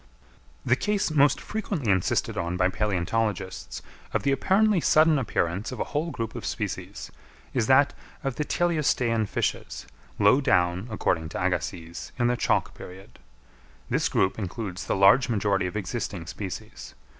The case most frequently insisted on by palæontologists of the apparently sudden appearance of a whole group of species, is that of the teleostean fishes, low down, according to Agassiz, in the Chalk period. This group includes the large majority of existing species.